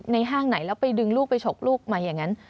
ห้างไหนแล้วไปดึงลูกไปฉกลูกมาอย่างนั้น